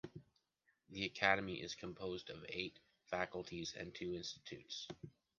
The academy is composed of eight faculties and two institutes.